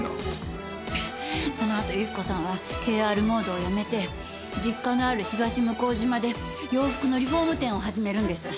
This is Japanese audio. そのあと由紀子さんはＫＲｍｏｄｅを辞めて実家のある東向島で洋服のリフォーム店を始めるんです。